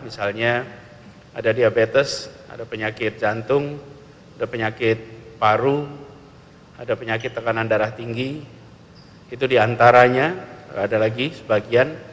misalnya ada diabetes ada penyakit jantung ada penyakit paru ada penyakit tekanan darah tinggi itu diantaranya ada lagi sebagian